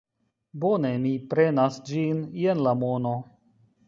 Bone, mi prenas ĝin; jen la mono.